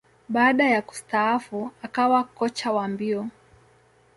Baada ya kustaafu, akawa kocha wa mbio.